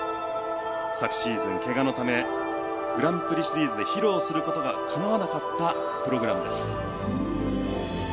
昨シーズン、怪我のためグランプリシリーズで披露することがかなわなかったプログラムです。